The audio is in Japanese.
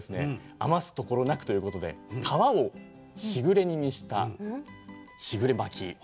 余す所なくということで皮をしぐれ煮にしたしぐれ巻きです。